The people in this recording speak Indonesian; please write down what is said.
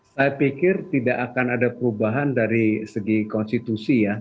saya pikir tidak akan ada perubahan dari segi konstitusi ya